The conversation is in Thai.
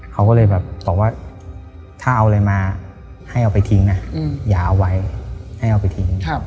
เขาก็เลยแบบบอกว่าถ้าเอาอะไรมาให้เอาไปทิ้งนะอย่าเอาไว้ให้เอาไปทิ้ง